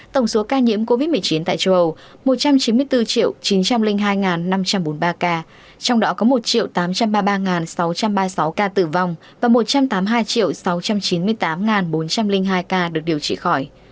tổng số ca nhiễm covid một mươi chín tại châu âu một trăm chín mươi bốn chín trăm linh hai năm trăm bốn mươi ba ca trong đó có một tám trăm ba mươi ba sáu trăm ba mươi sáu ca tử vong và một trăm tám mươi hai sáu trăm chín mươi tám bốn trăm linh hai ca được điều trị khỏi